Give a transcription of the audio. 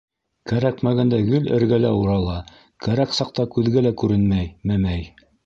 - Кәрәкмәгәндә гел эргәлә урала, кәрәк саҡта күҙгә лә күренмәй, мәмәй.